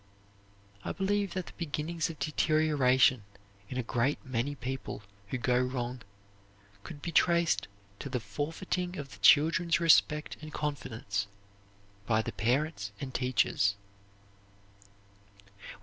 I believe that the beginnings of deterioration in a great many people who go wrong could be traced to the forfeiting of the children's respect and confidence by the parents and teachers.